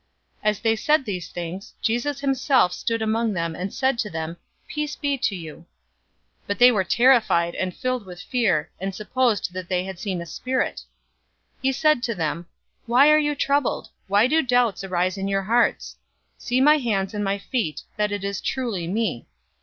024:036 As they said these things, Jesus himself stood among them, and said to them, "Peace be to you." 024:037 But they were terrified and filled with fear, and supposed that they had seen a spirit. 024:038 He said to them, "Why are you troubled? Why do doubts arise in your hearts? 024:039 See my hands and my feet, that it is truly me.